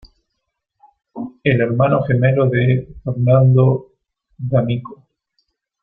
Es hermano gemelo de Fernando D'Amico.